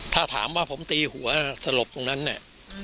ถ้าถามว่าผมตีหัวสลบตรงนั้นเนี่ย